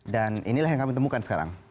dan inilah yang kami temukan sekarang